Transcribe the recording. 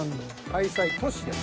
開催都市です。